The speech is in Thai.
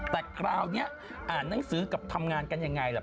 แต่คราวนี้อ่านหนังสือกับทำงานกันยังไงล่ะ